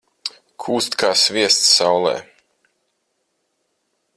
Kūst kā sviests saulē.